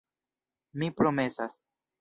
Mi promesas.